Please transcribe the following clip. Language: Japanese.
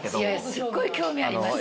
すっごい興味あります。